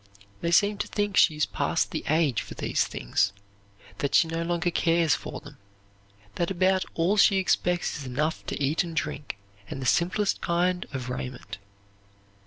They seem to think she is past the age for these things, that she no longer cares for them, that about all she expects is enough to eat and drink, and the simplest kind of raiment.